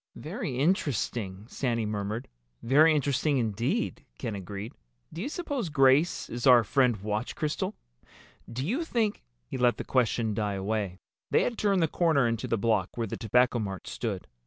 "Very interesting," Sandy murmured. "Very interesting indeed," Ken agreed. "Do you suppose Grace is our friend Watch Crystal? Do you think—?" He let the question die away. They had turned the corner into the block where the Tobacco Mart stood.